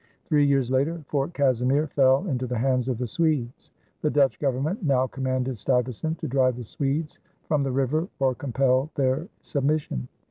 Three years later Fort Casimir fell into the hands of the Swedes. The Dutch Government now commanded Stuyvesant to drive the Swedes from the river or compel their submission.